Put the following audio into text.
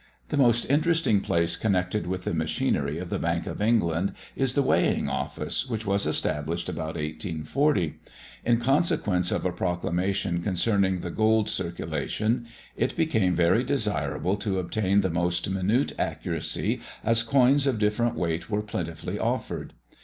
The most interesting place connected with the machinery of the Bank of England is the Weighing Office, which was established about 1840. In consequence of a proclamation concerning the gold circulation, it became very desirable to obtain the most minute accuracy, as coins of different weight were plentifully offered.